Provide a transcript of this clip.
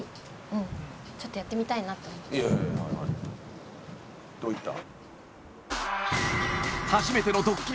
うんちょっとやってみたいなと思ってどういった？